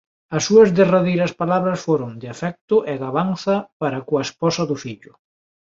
as súas derradeiras palabras foron de afecto e gabanza para coa esposa do fillo.